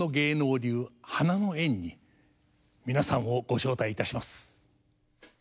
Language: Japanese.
流花の宴に皆さんをご招待いたします。